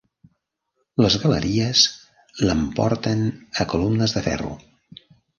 Les galeries l'emporten a columnes de ferro.